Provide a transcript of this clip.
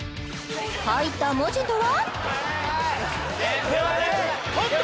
書いた文字とは？